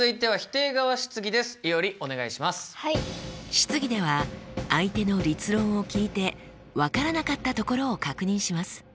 質疑では相手の立論を聞いて分からなかったところを確認します。